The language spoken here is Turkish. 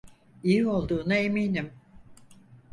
İyi olduğuna eminim.